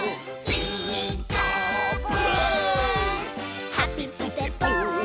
「ピーカーブ！」